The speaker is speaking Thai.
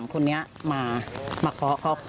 มาคอแล้วเหมือนน้องชายหนูไม่ได้เปิดขึ้นไปเปิดประตู